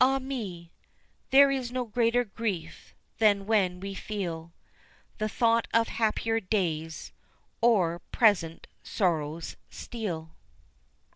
Ah, me! there is no greater grief than when we feel The thought of happier days o'er present sorrows steal.